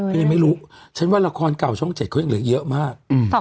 ยังไม่รู้ฉันว่าละครเก่าช่อง๗เขายังเหลือเยอะมาก